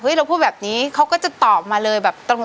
อย่างผู้แบบนี้เขาก็จะตอบมาเลย